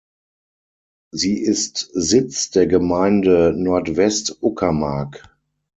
Sie ist Sitz der Gemeinde Nordwestuckermark.